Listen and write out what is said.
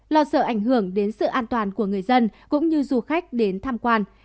lo sợ ảnh hưởng đến sự an toàn của người dân cũng như du khách đến tham quan